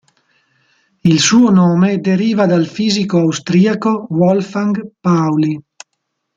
Il suo nome deriva dal fisico austriaco Wolfgang Pauli.